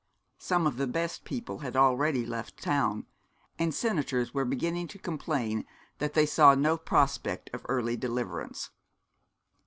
Some of the best people had already left town; and senators were beginning to complain that they saw no prospect of early deliverance.